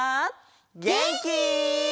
げんき？